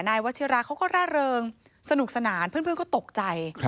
วัชิราเขาก็ร่าเริงสนุกสนานเพื่อนก็ตกใจ